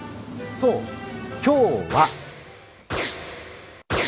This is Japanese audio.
そう、今日は。